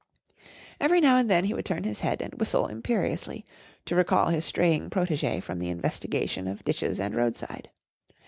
Every now and then he would turn his head and whistle imperiously, to recall his straying protégé from the investigation of ditches and roadside.